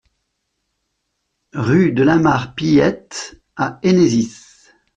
Rue de la Mare Pilette à Hennezis